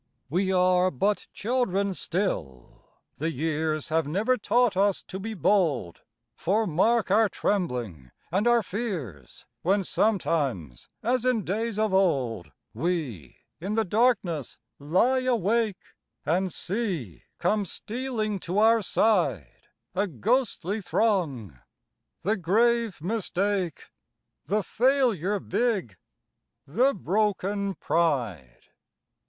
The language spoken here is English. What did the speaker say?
We are but children still, the years Have never taught us to be bold, For mark our trembling and our fears When sometimes, as in days of old, We in the darkness lie awake, And see come stealing to our side A ghostly throng the grave Mistake, The Failure big, the broken Pride.